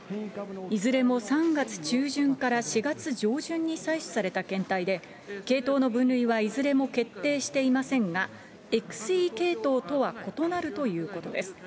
いずれも３月中旬から４月上旬に採取された検体で、系統の分類はいずれも決定していませんが、ＸＥ系統とは異なるということです。